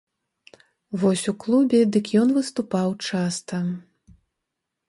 Вось у клубе дык ён выступаў часта.